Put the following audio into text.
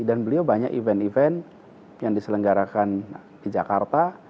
dan beliau banyak event event yang diselenggarakan di jakarta